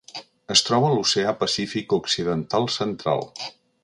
Es troba a l'Oceà Pacífic occidental central.